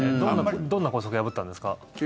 どんな校則を破ったんですか？